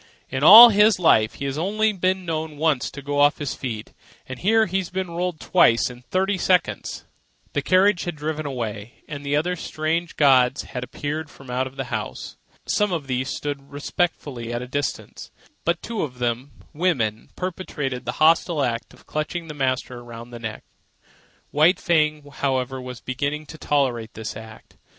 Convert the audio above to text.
"In all his life he's only been known once to go off his feet, and here he's been rolled twice in thirty seconds." The carriage had driven away, and other strange gods had appeared from out the house. Some of these stood respectfully at a distance; but two of them, women, perpetrated the hostile act of clutching the master around the neck. White Fang, however, was beginning to tolerate this act.